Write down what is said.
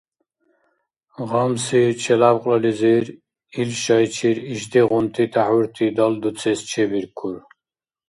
Гъамси челябкьлализир ил шайчир ишдигъунти тяхӀурти далдуцес чебиркур.